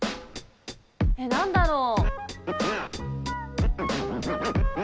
えっ何だろう？